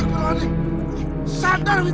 masuk dari perahu ini